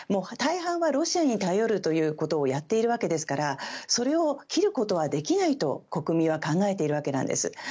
大半はロシアに頼るということをやっているわけですからそれを切ることはできないと国民は考えているわけなんです。